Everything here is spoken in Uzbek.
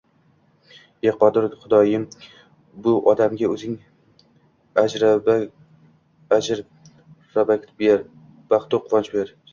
E qodir Xudoyim, bu odamga oʻzing ajr-barakot ber! Baxtu quvonch ber!